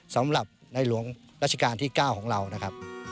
สำหรับในหลวงรัชกาลที่๙ของเรานะครับ